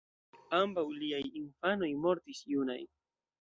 Ambaŭ liaj infanoj mortis junaj.